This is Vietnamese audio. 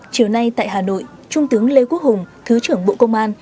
chiều nay tại hà nội trung tướng lê quốc hùng thứ trưởng bộ công an